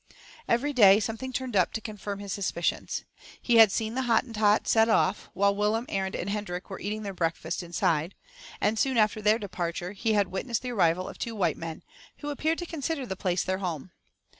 Every day something turned up to confirm his suspicions. He had seen the Hottentot sent off, while Willem, Arend, and Hendrik were eating their breakfast inside; and, soon after their departure, he had witnessed the arrival of two white men, who appeared to consider the place their home.